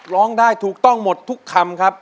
ร้องได้ถูกต้องหมดทุกคำครับ